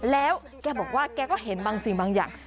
แล้วแกบอกว่าแกก็เห็นบางสิ่งบางอย่าง